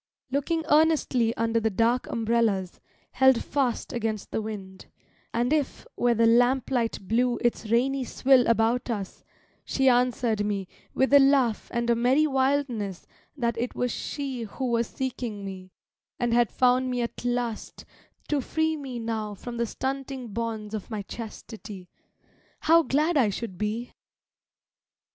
Looking earnestly under the dark umbrellas, held fast Against the wind; and if, where the lamplight blew Its rainy swill about us, she answered me With a laugh and a merry wildness that it was she Who was seeking me, and had found me at last to free Me now from the stunting bonds of my chastity, How glad I should be!